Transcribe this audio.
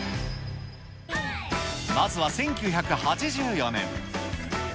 まずは１９８４年。